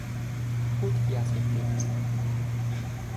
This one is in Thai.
ผู้ติดยาเสพติด